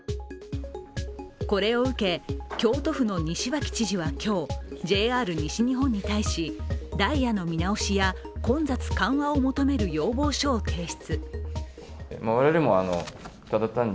これを受け、京都府の西脇知事は今日ＪＲ西日本に対し、ダイヤの見直しや混雑緩和を求める要望書を提出。